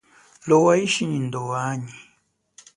Lowa ishi nyi ndowanyi.